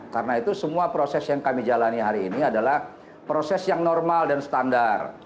karena itu semua proses yang kami jalani hari ini adalah proses yang normal dan standar